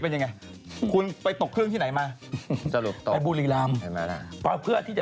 เยอะเยอะเยอะ